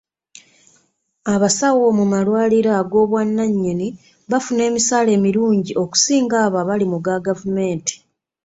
Abasawo mu malwaliro ag'obwannannyini bafuna emisaala emirungi okusinga abo abali mu ga gavumenti.